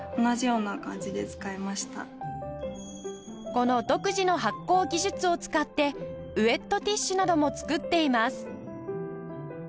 この独自の発酵技術を使ってウェットティッシュなども作っています